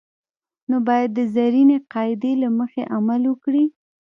نو باید د زرینې قاعدې له مخې عمل وکړي.